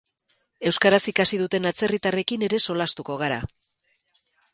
Euskaraz ikasi duten atzerritarrekin ere solastuko gara.